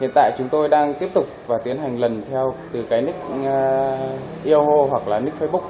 hiện tại chúng tôi đang tiếp tục và tiến hành lần theo từ cái nick iono hoặc là nik facebook